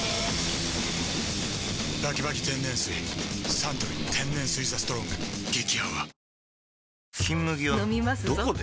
サントリー天然水「ＴＨＥＳＴＲＯＮＧ」激泡